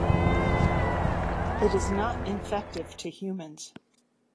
It is not infective to humans.